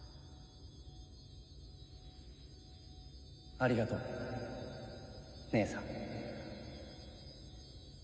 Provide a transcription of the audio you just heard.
ありがとう姉さん。